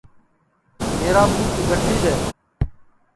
میرا ٻُوٹ گٹھی دؔے